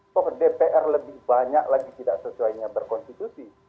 toh dpr lebih banyak lagi tidak sesuainya berkonstitusi